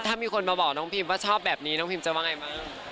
ถ้ามีคนมาบอกน้องพิมว่าชอบแบบนี้น้องพิมจะว่าไงบ้าง